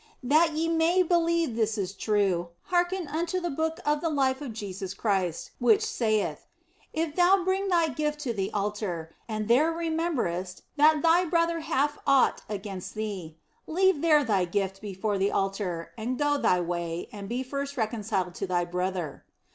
That ye may believe this is true, hearken unto the Book of the Life of Jesus Christ, which saith, " If thou bring thy gift to the altar and there rememberest that thy brother hath aught against thee, leave there thy gift before the altar and go thy way and first be reconciled to thy brother."